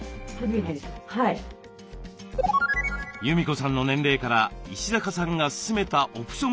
裕美子さんの年齢から石坂さんが勧めたオプション検査は？